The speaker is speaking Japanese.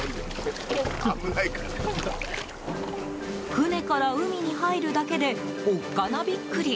船から海に入るだけでおっかなびっくり。